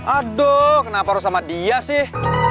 aduh kenapa harus sama dia sih